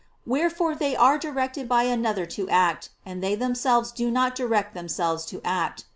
Wherefore they are directed by another to act; and they themselves do not direct themselves to act.